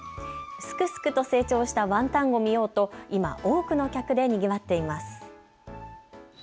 すくすくと成長したワンタンを見ようと今多くの客でにぎわっています。